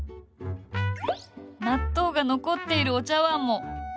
納豆が残っているお茶碗も。